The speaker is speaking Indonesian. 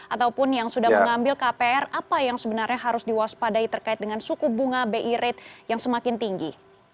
ataupun yang sudah mengambil kpr apa yang sebenarnya harus diwaspadai terkait dengan suku bunga bi rate yang semakin tinggi